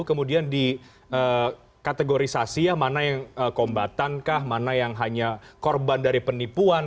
kemudian dikategorisasi ya mana yang kombatankah mana yang hanya korban dari penipuan